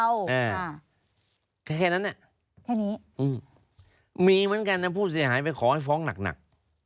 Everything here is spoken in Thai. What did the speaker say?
แค่แค่นั้นอ่ะแค่นี้อืมมีเหมือนกันนะผู้เสียหายไปขอให้ฟ้องหนักหนัก